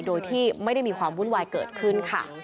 โดยที่ไม่ได้มีความวุ่นวายเกิดขึ้นค่ะ